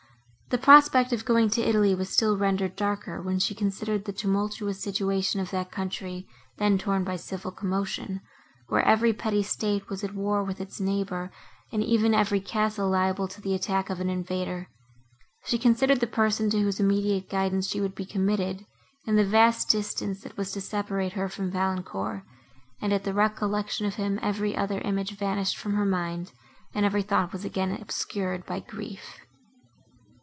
The prospect of going to Italy was still rendered darker, when she considered the tumultuous situation of that country, then torn by civil commotion, where every petty state was at war with its neighbour, and even every castle liable to the attack of an invader. She considered the person, to whose immediate guidance she would be committed, and the vast distance, that was to separate her from Valancourt, and, at the recollection of him, every other image vanished from her mind, and every thought was again obscured by grief.